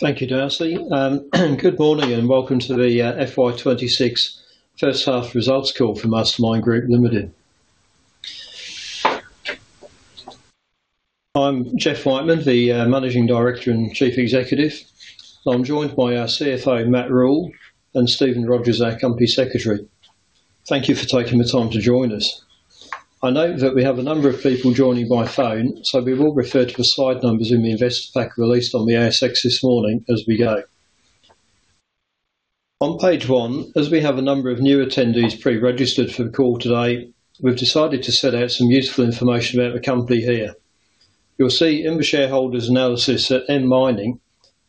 Thank you, Darcy. Good morning, and welcome to the FY 2026 first half results call for Mastermyne Group Limited. I'm Jeff Whiteman, the Managing Director and Chief Executive. I'm joined by our CFO, Matt Ruhl, and Stephen Rodgers, our Company Secretary. Thank you for taking the time to join us. I note that we have a number of people joining by phone, so we will refer to the slide numbers in the investor pack released on the ASX this morning as we go. On page one, as we have a number of new attendees pre-registered for the call today, we've decided to set out some useful information about the company here. You'll see in the shareholders analysis that M Mining,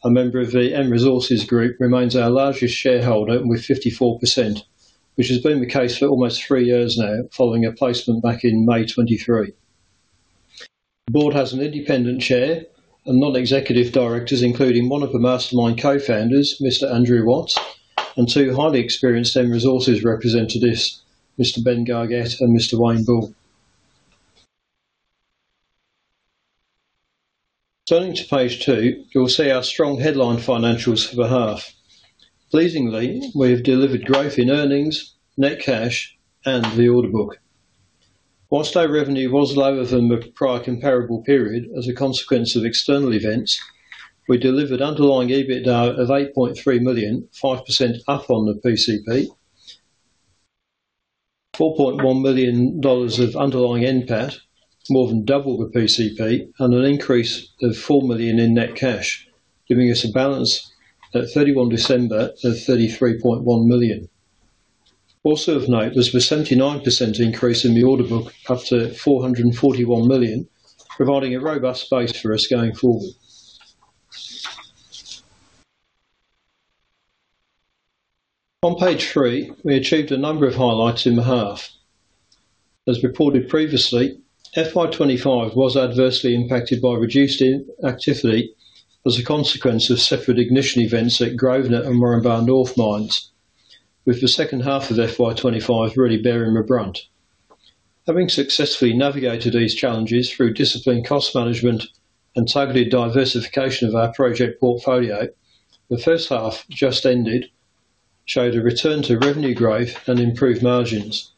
a member of the M Resources Group, remains our largest shareholder with 54%, which has been the case for almost three years now, following a placement back in May 2023. The board has an independent chair and non-executive directors, including one of the Mastermyne Co-founders, Mr. Andrew Watts, and two highly experienced M Resources representatives, Mr. Ben Gargett and Mr. Wayne Bull. Turning to page two, you will see our strong headline financials for the half. Pleasingly, we've delivered growth in earnings, net cash, and the order book. Whilst our revenue was lower than the prior comparable period, as a consequence of external events, we delivered underlying EBITDA of 8.3 million, 5% up on the PCP. 4.1 million dollars of underlying NPAT, more than double the PCP, an increase of 4 million in net cash, giving us a balance at 31 December of 33.1 million. Also of note, there's a 79% increase in the order book, up to 441 million, providing a robust base for us going forward. On page three, we achieved a number of highlights in the half. As reported previously, FY 2025 was adversely impacted by reduced inactivity as a consequence of separate ignition events at Grosvenor and Moranbah North mines, with the second half of FY 2025 really bearing the brunt. Having successfully navigated these challenges through disciplined cost management and targeted diversification of our project portfolio, the first half just ended, showed a return to revenue growth and improved margins.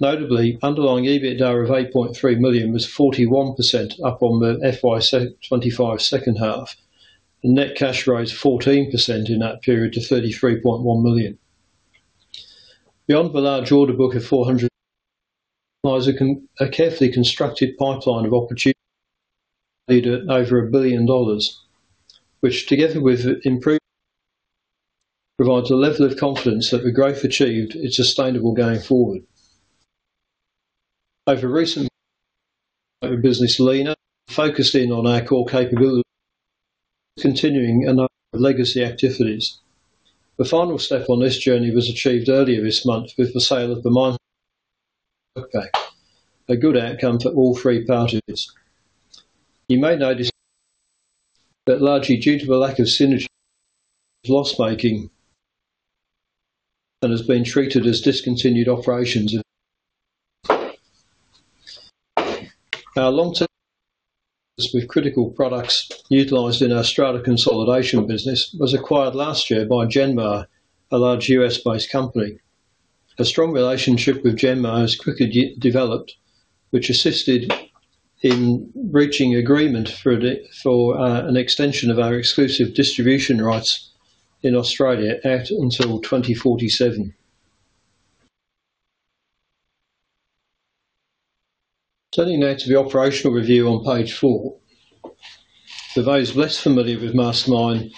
Notably, underlying EBITDA of 8.3 million was 41% up on the FY 2025 second half. The net cash rose 14% in that period to 33.1 million. Beyond the large order book of 400... lies a carefully constructed pipeline of opportunities at over 1 billion dollars, which together with improved provides a level of confidence that the growth achieved is sustainable going forward. Over recent... business leaner, focused in on our core capabilities, continuing a number of legacy activities. The final step on this journey was achieved earlier this month with the sale of the mine... A good outcome for all three parties. You may notice that largely due to the lack of synergy, loss-making, and has been treated as discontinued operations. Our long-term... with critical products utilized in our strata consolidation business, was acquired last year by Jennmar, a large U.S.-based company. A strong relationship with Jennmar has quickly developed, which assisted in reaching agreement for an extension of our exclusive distribution rights in Australia out until 2047. Turning now to the operational review on page four. For those less familiar with Mastermyne,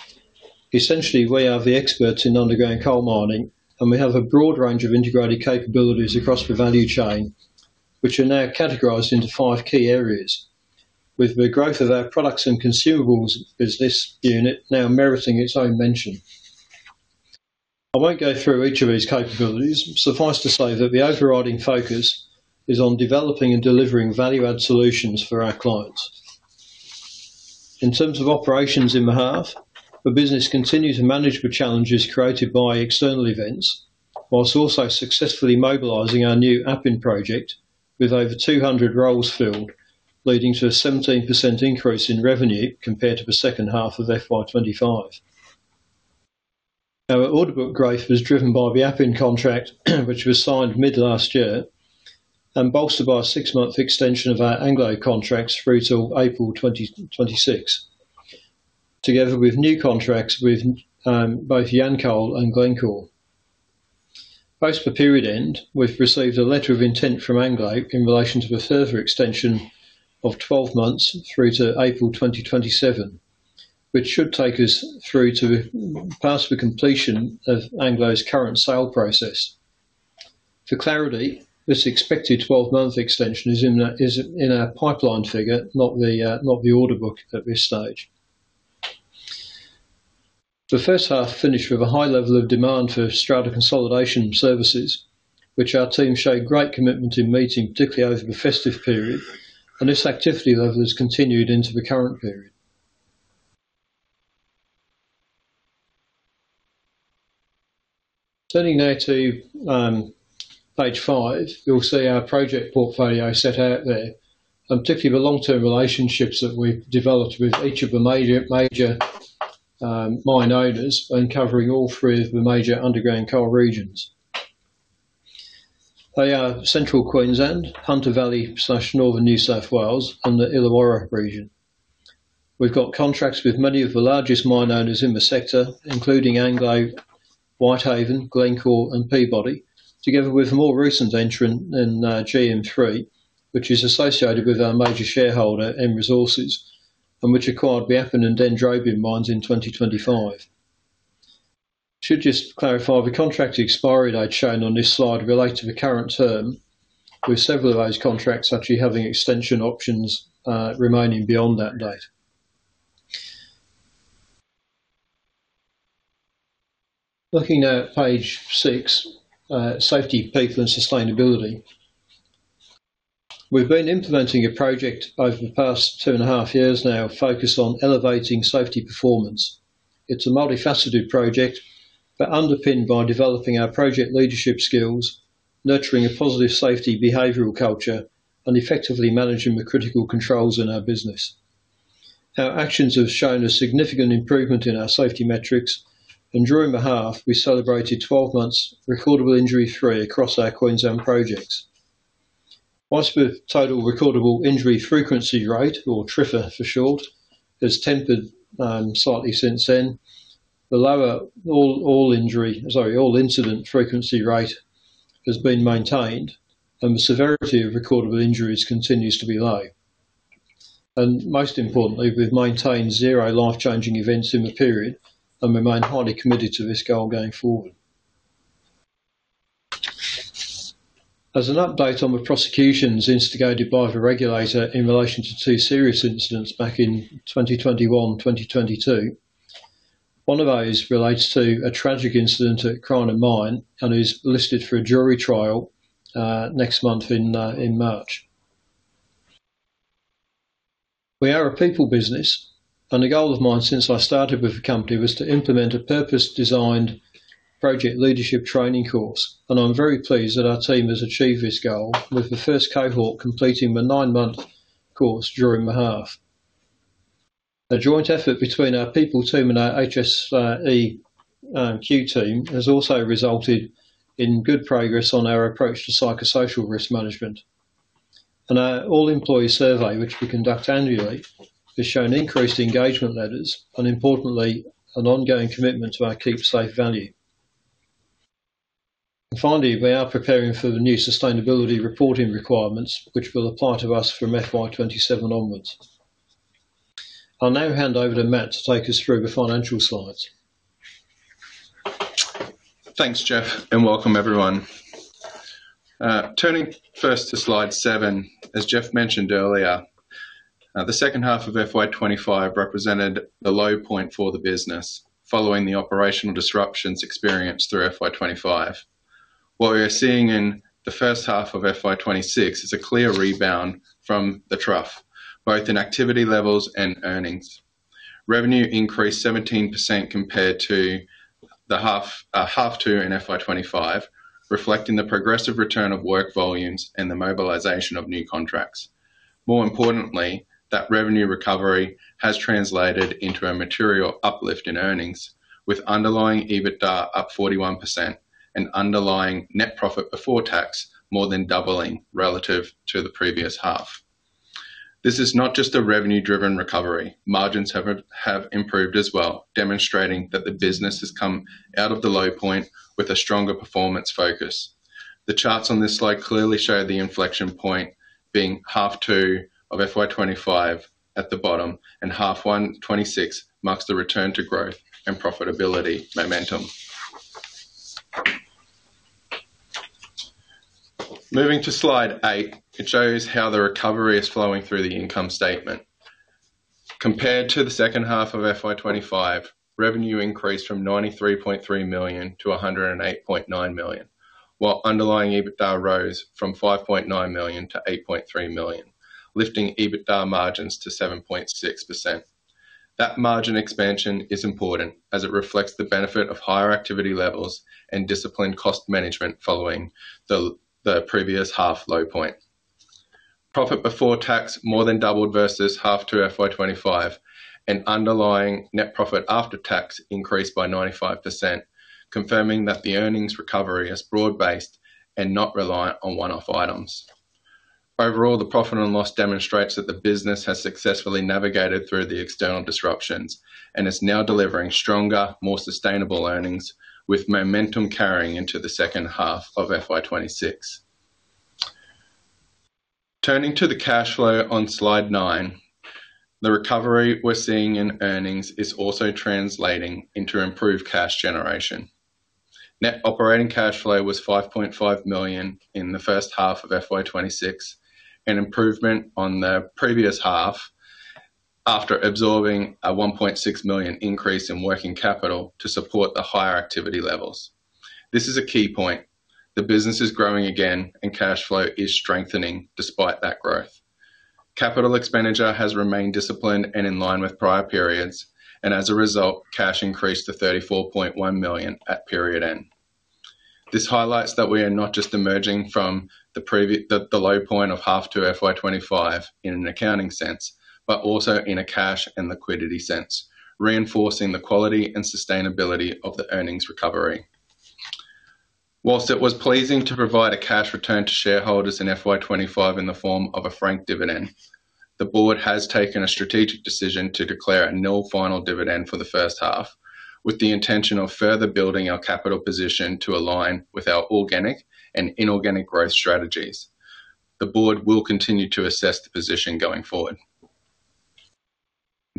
essentially, we are the experts in underground coal mining, and we have a broad range of integrated capabilities across the value chain, which are now categorized into five key areas. With the growth of our products and consumables business unit now meriting its own mention. I won't go through each of these capabilities. Suffice to say that the overriding focus is on developing and delivering value-add solutions for our clients. In terms of operations in the half, the business continued to manage the challenges created by external events, whilst also successfully mobilizing our new Appin project with over 200 roles filled, leading to a 17% increase in revenue compared to the second half of FY 2025. Our order book growth was driven by the Appin contract, which was signed mid-last year, and bolstered by a six-month extension of our Anglo contracts through till April 2026. Together with new contracts with both Yancoal and Glencore. Post the period end, we've received a letter of intent from Anglo in relation to a further extension of 12 months through to April 2027, which should take us through to past the completion of Anglo's current sale process. For clarity, this expected 12-month extension is in our pipeline figure, not the order book at this stage. The first half finished with a high level of demand for strata consolidation services, which our team showed great commitment in meeting, particularly over the festive period, and this activity level has continued into the current period. Turning now to page five, you'll see our project portfolio set out there, and particularly the long-term relationships that we've developed with each of the major mine owners, and covering all three of the major underground coal regions. They are Central Queensland, Hunter Valley/Northern New South Wales, and the Illawarra region. We've got contracts with many of the largest mine owners in the sector, including Anglo, Whitehaven, Glencore, and Peabody, together with a more recent entrant in GM3, which is associated with our major shareholder and resources, and which acquired the Appin and Dendrobium mines in 2025. Just clarify, the contract expiry date shown on this slide relate to the current term, with several of those contracts actually having extension options remaining beyond that date. Looking at page six, safety, people, and sustainability. We've been implementing a project over the past 2.5 years now, focused on elevating safety performance. It's a multifaceted project, underpinned by developing our project leadership skills, nurturing a positive safety behavioral culture, and effectively managing the critical controls in our business. Our actions have shown a significant improvement in our safety metrics, and during the half, we celebrated 12 months recordable injury-free across our Queensland projects. Whilst the total recordable injury frequency rate, or TRIFR for short, has tempered slightly since then, the lower all-incident frequency rate has been maintained, and the severity of recordable injuries continues to be low. Most importantly, we've maintained zero life-changing events in the period, and we remain highly committed to this goal going forward. As an update on the prosecutions instigated by the regulator in relation to two serious incidents back in 2021, 2022, one of those relates to a tragic incident at Crinum Mine, and is listed for a jury trial next month in March. We are a people business, a goal of mine since I started with the company, was to implement a purpose-designed project leadership training course, and I'm very pleased that our team has achieved this goal, with the first cohort completing the nine-month course during the half. A joint effort between our people team and our HSEQ team, has also resulted in good progress on our approach to psychosocial risk management. Our all-employee survey, which we conduct annually, has shown increased engagement levels and importantly, an ongoing commitment to our keep safe value. Finally, we are preparing for the new sustainability reporting requirements, which will apply to us from FY 2027 onwards. I'll now hand over to Matt to take us through the financial slides. Thanks, Jeff, and welcome, everyone. Turning first to slide seven. As Jeff mentioned earlier, the second half of FY 2025 represented the low point for the business, following the operational disruptions experienced through FY 2025. What we are seeing in the first half of FY 2026 is a clear rebound from the trough, both in activity levels and earnings. Revenue increased 17% compared to the half two in FY 2025, reflecting the progressive return of work volumes and the mobilization of new contracts. More importantly, that revenue recovery has translated into a material uplift in earnings, with underlying EBITDA up 41% and underlying Net Profit Before Tax, more than doubling relative to the previous half. This is not just a revenue-driven recovery. Margins have improved as well, demonstrating that the business has come out of the low point with a stronger performance focus. The charts on this slide clearly show the inflection point being half two of FY 2025 at the bottom, and half one, 2026 marks the return to growth and profitability momentum. Moving to slide eight. It shows how the recovery is flowing through the income statement. Compared to the second half of FY 2025, revenue increased from 93.3 million-108.9 million, while underlying EBITDA rose from 5.9 million-8.3 million, lifting EBITDA margins to 7.6%. That margin expansion is important as it reflects the benefit of higher activity levels and disciplined cost management following the previous half low point. Profit before tax more than doubled versus half two FY 2025, and underlying net profit after tax increased by 95%, confirming that the earnings recovery is broad-based and not reliant on one-off items. Overall, the profit and loss demonstrates that the business has successfully navigated through the external disruptions and is now delivering stronger, more sustainable earnings, with momentum carrying into the second half of FY 2026. Turning to the cash flow on slide nine. The recovery we're seeing in earnings is also translating into improved cash generation. Net operating cash flow was 5.5 million in the first half of FY 2026, an improvement on the previous half after absorbing an 1.6 million increase in working capital to support the higher activity levels. This is a key point. The business is growing again, and cash flow is strengthening despite that growth. Capital expenditure has remained disciplined and in line with prior periods. As a result, cash increased to 34.1 million at period end. This highlights that we are not just emerging from the low point of half two FY 2025 in an accounting sense, but also in a cash and liquidity sense, reinforcing the quality and sustainability of the earnings recovery. Whilst it was pleasing to provide a cash return to shareholders in FY 2025 in the form of a franked dividend, the board has taken a strategic decision to declare a nil final dividend for the first half, with the intention of further building our capital position to align with our organic and inorganic growth strategies. The board will continue to assess the position going forward.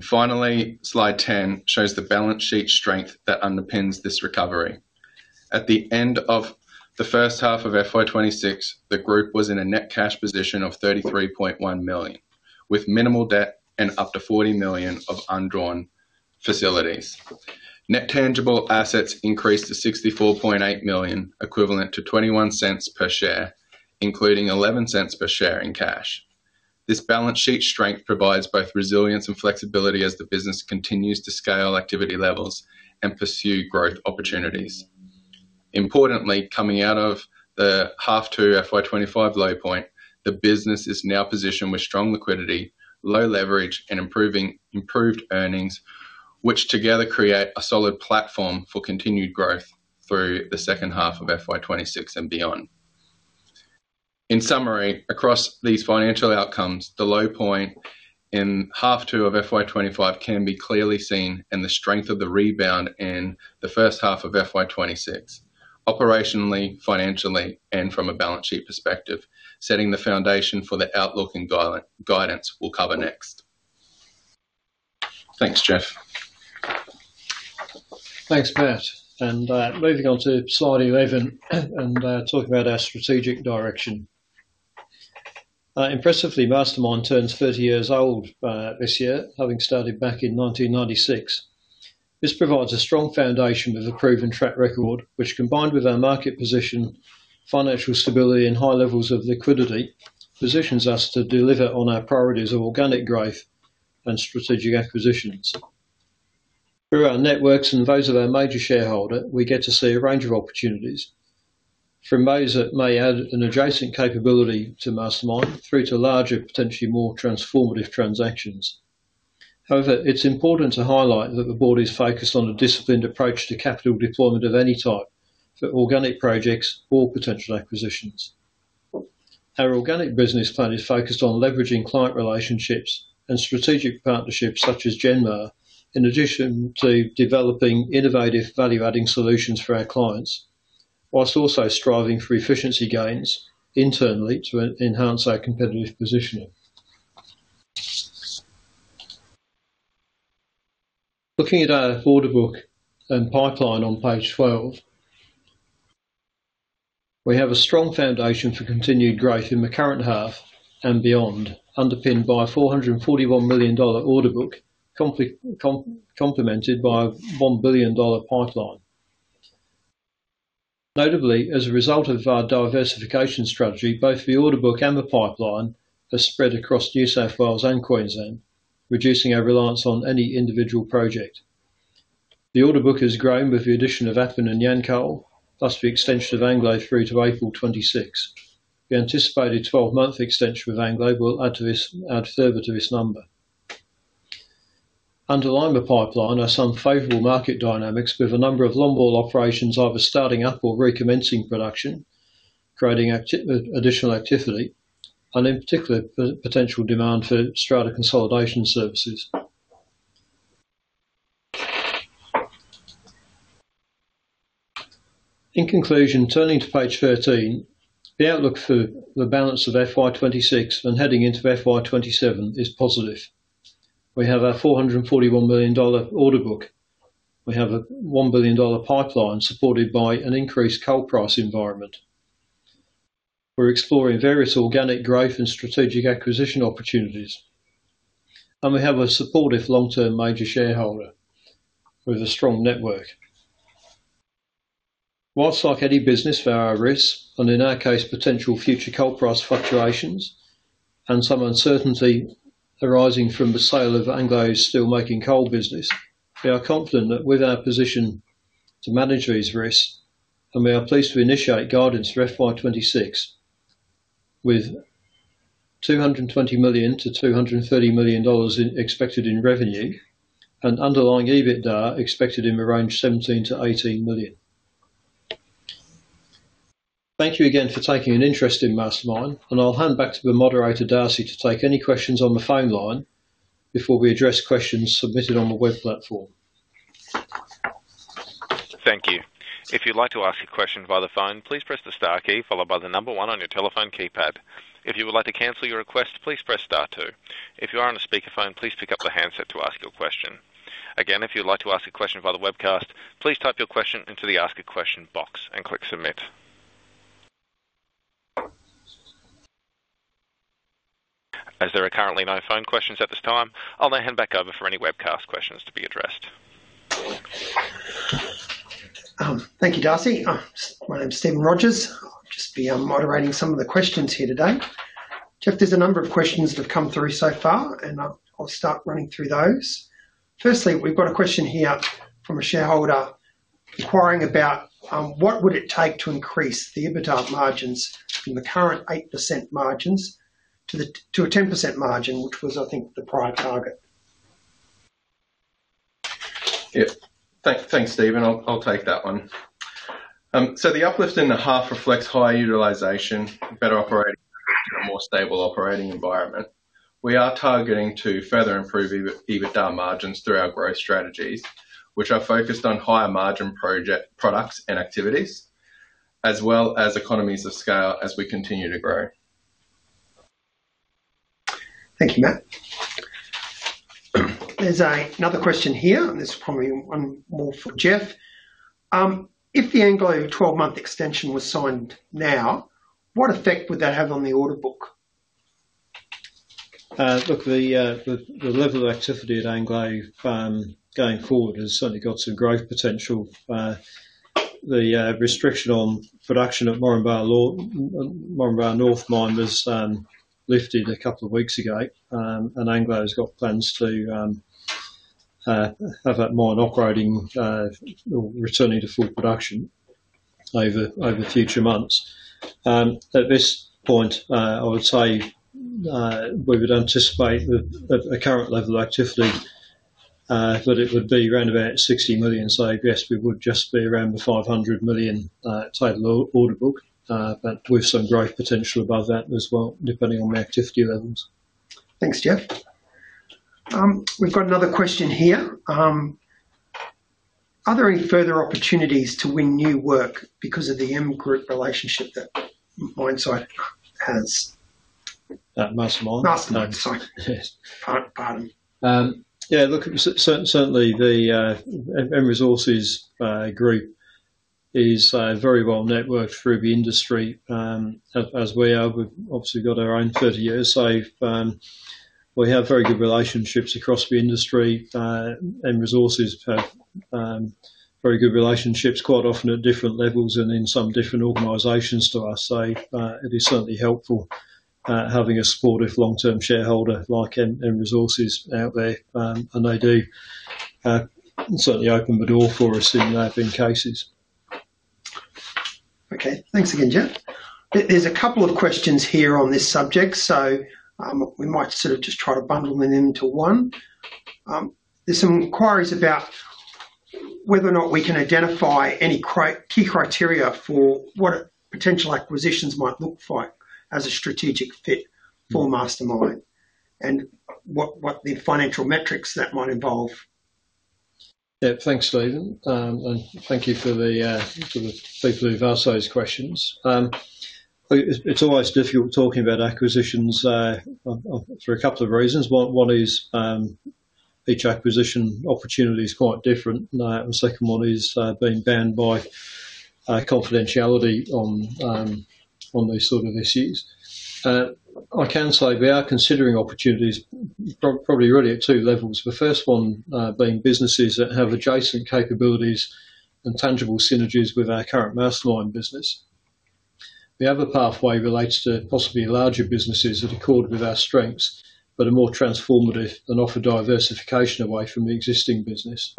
Finally, slide 10 shows the balance sheet strength that underpins this recovery. At the end of the first half of FY 2026, the group was in a net cash position of 33.1 million, with minimal debt and up to 40 million of undrawn facilities. Net tangible assets increased to 64.8 million, equivalent to 0.21 per share, including 0.11 per share in cash. This balance sheet strength provides both resilience and flexibility as the business continues to scale activity levels and pursue growth opportunities. Coming out of the H2 FY 2025 low point, the business is now positioned with strong liquidity, low leverage, and improved earnings, which together create a solid platform for continued growth through the H2 FY 2026 and beyond. In summary, across these financial outcomes, the low point in half two of FY 2025 can be clearly seen, and the strength of the rebound in the first half of FY 2026, operationally, financially, and from a balance sheet perspective, setting the foundation for the outlook and guidance we'll cover next. Thanks, Jeff. Thanks, Matt. Moving on to slide 11, talk about our strategic direction. Impressively, Mastermyne turns 30 years old this year, having started back in 1996. This provides a strong foundation with a proven track record, which, combined with our market position, financial stability, and high levels of liquidity, positions us to deliver on our priorities of organic growth and strategic acquisitions. Through our networks and those of our major shareholder, we get to see a range of opportunities, from those that may add an adjacent capability to Mastermyne, through to larger, potentially more transformative transactions. It's important to highlight that the board is focused on a disciplined approach to capital deployment of any type, for organic projects or potential acquisitions. Our organic business plan is focused on leveraging client relationships and strategic partnerships, such as Jennmar, in addition to developing innovative, value-adding solutions for our clients, while also striving for efficiency gains internally to enhance our competitive positioning. Looking at our order book and pipeline on page 12, we have a strong foundation for continued growth in the current half and beyond, underpinned by an 441 million dollar order book, complemented by an 1 billion dollar pipeline. Notably, as a result of our diversification strategy, both the order book and the pipeline are spread across New South Wales and Queensland, reducing our reliance on any individual project. The order book has grown with the addition of Athena and Yancoal, plus the extension of Anglo through to April 2026. The anticipated 12-month extension of Anglo will add further to this number. Underlining the pipeline are some favorable market dynamics, with a number of longwall operations either starting up or recommencing production, creating additional activity, and in particular, the potential demand for strata consolidation services. In conclusion, turning to page 13, the outlook for the balance of FY 2026 and heading into FY 2027 is positive. We have our 441 million dollar order book. We have a 1 billion dollar pipeline supported by an increased coal price environment. We're exploring various organic growth and strategic acquisition opportunities. We have a supportive long-term major shareholder with a strong network. Whilst like any business, there are risks, and in our case, potential future coal price fluctuations and some uncertainty arising from the sale of Anglo American's steelmaking coal business, we are confident that we're in a position to manage these risks. We are pleased to initiate guidance for FY 2026, with $220 million-$230 million in, expected in revenue and underlying EBITDA expected in the range $17 million-$18 million. Thank you again for taking an interest in Mastermyne. I'll hand back to the moderator, Darcy, to take any questions on the phone line before we address questions submitted on the web platform. Thank you. If you'd like to ask a question via the phone, please press the star key followed by the number one on your telephone keypad. If you would like to cancel your request, please press star two. If you are on a speakerphone, please pick up the handset to ask your question. Again, if you'd like to ask a question via the webcast, please type your question into the Ask a Question box and click Submit.... As there are currently no phone questions at this time, I'll now hand back over for any webcast questions to be addressed. Thank you, Darcy. my name is Stephen Rodgers. I'll just be moderating some of the questions here today. Jeff, there's a number of questions that have come through so far, and I'll start running through those. Firstly, we've got a question here from a shareholder inquiring about what would it take to increase the EBITDA margins from the current 8% margins to a 10% margin, which was, I think, the prior target? Thanks, Stephen. I'll take that one. The uplift in the half reflects higher utilization, better operating, and a more stable operating environment. We are targeting to further improve EBITDA margins through our growth strategies, which are focused on higher margin project, products and activities, as well as economies of scale as we continue to grow. Thank you, Matt. There's another question here. This is probably one more for Jeff. If the Anglo 12-month extension was signed now, what effect would that have on the order book? Look, the level of activity at Anglo going forward has certainly got some growth potential. The restriction on production at Moranbah North Mine was lifted a couple of weeks ago. Anglo's got plans to have that mine operating or returning to full production over the future months. At this point, I would say we would anticipate that at the current level of activity that it would be around about 60 million. I guess we would just be around the 500 million total order book, but with some growth potential above that as well, depending on the activity levels. Thanks, Jeff. We've got another question here. Are there any further opportunities to win new work because of the M group relationship that MyneSight has? At Mastermyne? Mastermyne. Yes. Pardon. Yeah, look, certainly the M Resources Group is very well networked through the industry, as we are. We've obviously got our own 30 years. We have very good relationships across the industry, and resources have very good relationships, quite often at different levels and in some different organizations to us. It is certainly helpful having a supportive long-term shareholder like M Resources out there. They do certainly open the door for us in cases. Okay. Thanks again, Jeff. There's a couple of questions here on this subject, we might sort of just try to bundle them into one. There's some inquiries about whether or not we can identify any key criteria for what potential acquisitions might look like as a strategic fit for Mastermyne and what the financial metrics that might involve. Thanks, Stephen. Thank you for the people who've asked those questions. It's always difficult talking about acquisitions for a couple of reasons. One is each acquisition opportunity is quite different. The second one is being bound by confidentiality on these sort of issues. I can say we are considering opportunities probably really at two levels. The first one, being businesses that have adjacent capabilities and tangible synergies with our current Mastermyne business. The other pathway relates to possibly larger businesses that are in accord with our strengths, but are more transformative and offer diversification away from the existing business.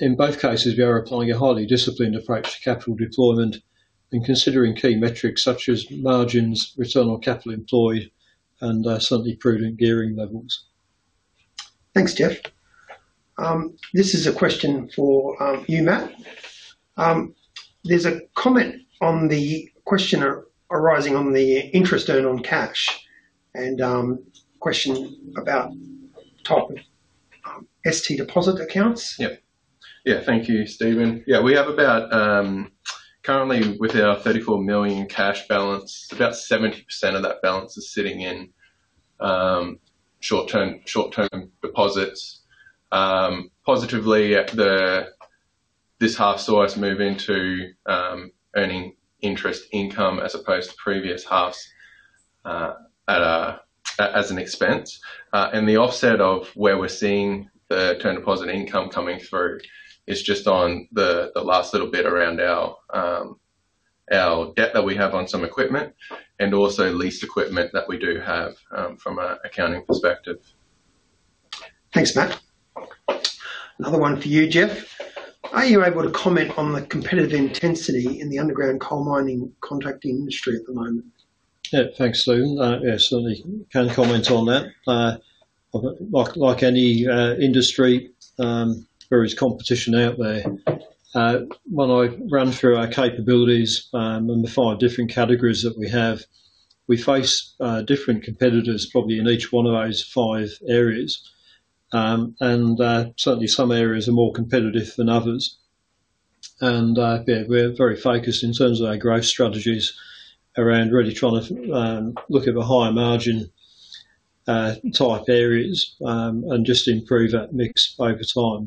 In both cases, we are applying a highly disciplined approach to capital deployment and considering key metrics such as margins, return on capital employed, and certainly prudent gearing levels. Thanks, Jeff. This is a question for, you, Matt. There's a comment on the question arising on the interest earned on cash and, question about top, ST deposit accounts. Yep. Thank you, Stephen. We have about currently with our 34 million cash balance, about 70% of that balance is sitting in short-term deposits. Positively, this half saw us move into earning interest income as opposed to previous halves as an expense. The offset of where we're seeing the term deposit income coming through is just on the last little bit around our debt that we have on some equipment, and also leased equipment that we do have from an accounting perspective. Thanks, Matt. Another one for you, Jeff. Are you able to comment on the competitive intensity in the underground coal mining contracting industry at the moment? Yeah. Thanks, Stephen. Yes, certainly can comment on that. Like any industry, there is competition out there. When I run through our capabilities, and the five different categories that we have, we face different competitors, probably in each one of those five areas. Certainly some areas are more competitive than others. Yeah, we're very focused in terms of our growth strategies around really trying to look at the higher margin type areas, and just improve that mix over time.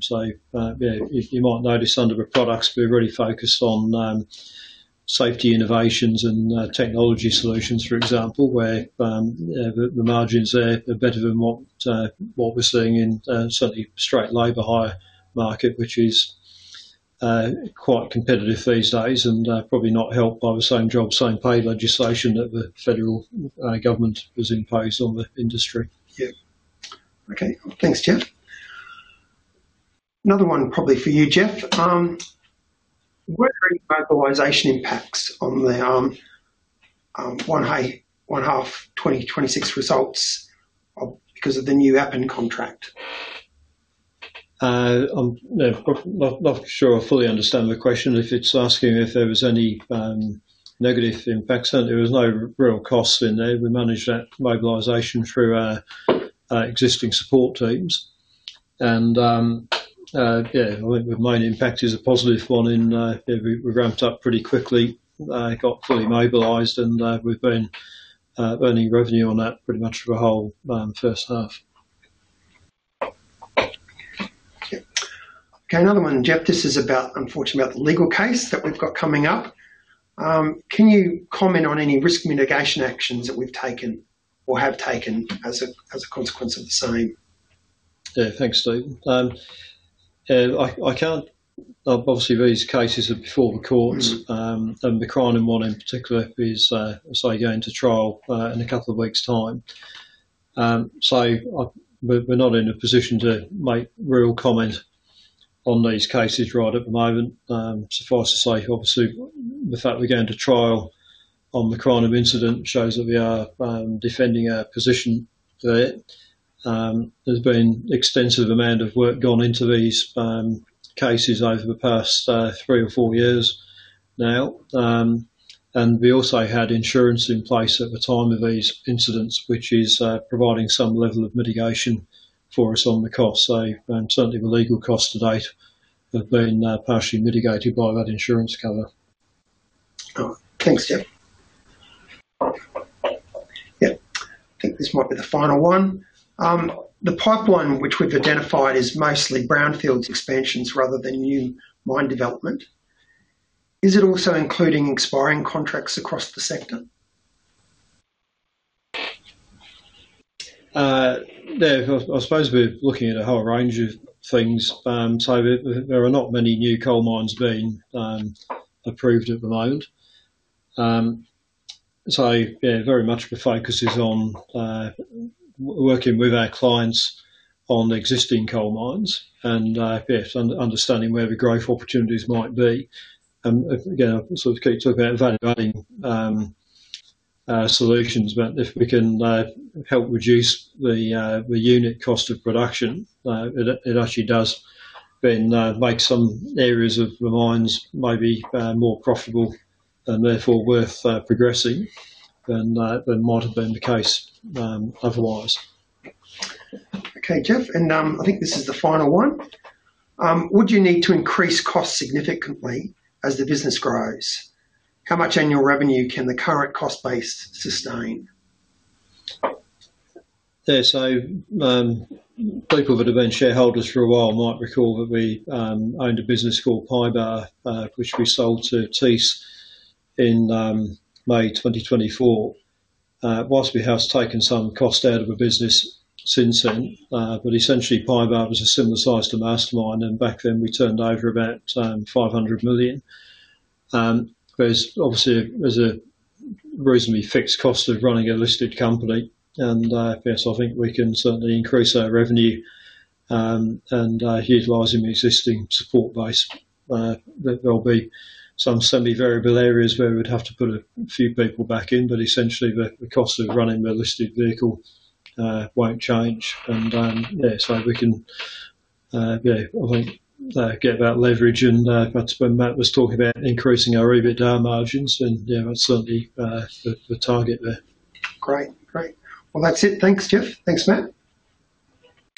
Yeah, you might notice under the products, we're really focused on-...safety innovations and technology solutions, for example, where the margins there are better than what we're seeing in certainly straight labor hire market, which is quite competitive these days, and probably not helped by the Same Job, Same Pay legislation that the federal government has imposed on the industry. Yeah. Okay, thanks, Jeff. Another one probably for you, Jeff. Were there mobilization impacts on the, one high, one half 2026 results, because of the new Appin contract? Yeah, not sure I fully understand the question. If it's asking if there was any negative impacts. There was no real cost in there. We managed that mobilization through our existing support teams. Yeah, I think the main impact is a positive one in we ramped up pretty quickly, got fully mobilized, and we've been earning revenue on that pretty much for the whole first half. Another one, Jeff. This is about, unfortunately, about the legal case that we've got coming up. Can you comment on any risk mitigation actions that we've taken or have taken as a consequence of the same? Thanks, Stephen. I can't. Obviously, these cases are before the courts, and the Crinum one in particular is, as I say, going to trial in two weeks' time. We're not in a position to make real comment on these cases right at the moment. Suffice to say, obviously, the fact that we're going to trial on the Crinum incident shows that we are defending our position there. There's been extensive amount of work gone into these cases over the past three or four years now. And we also had insurance in place at the time of these incidents, which is providing some level of mitigation for us on the costs. Certainly the legal costs to date have been partially mitigated by that insurance cover. Thanks, Jeff. Yeah, I think this might be the final one. The pipeline, which we've identified, is mostly brownfields expansions rather than new mine development. Is it also including expiring contracts across the sector? Yeah, I suppose we're looking at a whole range of things. There are not many new coal mines being approved at the moment. Yeah, very much the focus is on working with our clients on existing coal mines and yes, understanding where the growth opportunities might be. Again, I sort of keep talking about value-adding solutions, but if we can help reduce the unit cost of production, it actually does then make some areas of the mines maybe more profitable and therefore worth progressing than might have been the case otherwise. Okay, Jeff, I think this is the final one. Would you need to increase costs significantly as the business grows? How much annual revenue can the current cost base sustain? People that have been shareholders for a while might recall that we owned a business called PYBAR, which we sold to Thiess in May 2024. Whilst we have taken some cost out of the business since then, essentially PYBAR was a similar size to Mastermyne, and back then we turned over about 500 million. There's obviously, there's a reasonably fixed cost of running a listed company, yes, I think we can certainly increase our revenue, utilizing the existing support base. There'll be some certainly variable areas where we would have to put a few people back in, essentially the cost of running the listed vehicle won't change. Yeah, so we can, yeah, I think, get that leverage, and, that's what Matt was talking about, increasing our EBITDA margins, and, yeah, that's certainly the target there. Great. Well, that's it. Thanks, Jeff. Thanks, Matt.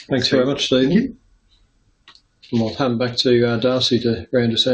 Thanks very much, Stephen. Thank you. I'll hand back to Darcy to round us up.